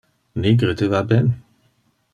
Nigre te va ben.